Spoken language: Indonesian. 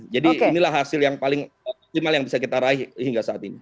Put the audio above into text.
jadi inilah hasil yang paling optimal yang bisa dikatakan